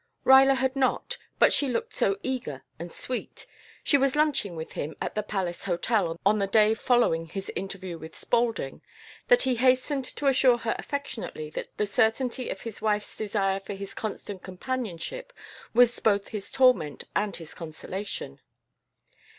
Ruyler had not, but she looked so eager and sweet she was lunching with him at the Palace Hotel on the day following his interview with Spaulding that he hastened to assure her affectionately that the certainty of his wife's desire for his constant companionship was both his torment and his consolation.